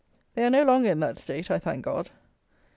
They are no longer in that state, I thank God.